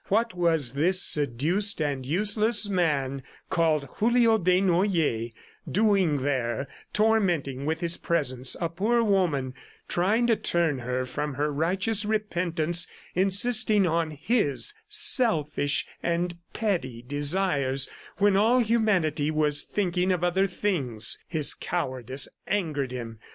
What was this seduced and useless man, called Julio Desnoyers, doing there, tormenting with his presence a poor woman, trying to turn her from her righteous repentance, insisting on his selfish and petty desires when all humanity was thinking of other things? ... His cowardice angered him.